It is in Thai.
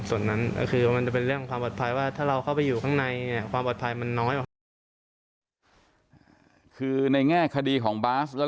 ส่วนมันคือมันฯเป็นเรื่องความบอตภัยว่าถ้าเราไปอยู่ข้างในเขาปลอดภัยมันน้อย